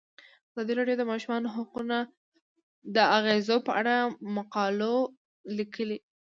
ازادي راډیو د د ماشومانو حقونه د اغیزو په اړه مقالو لیکلي.